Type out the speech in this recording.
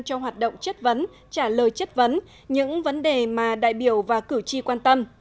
cho hoạt động chất vấn trả lời chất vấn những vấn đề mà đại biểu và cử tri quan tâm